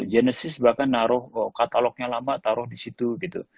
genesis bahkan naruh katalognya lama taruh di situ gitu